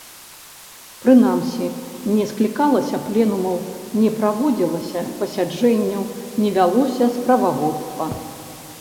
Прынамсі, не склікалася пленумаў, не праводзілася пасяджэнняў, не вялося справаводства.